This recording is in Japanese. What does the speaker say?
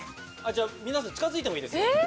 皆さん近づいてもいいですよ。